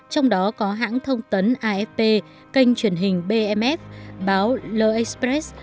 trong đó có hãng thông tấn afp kênh truyền hình bmf báo lo express